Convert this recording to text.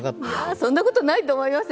そんなことないと思いますよ！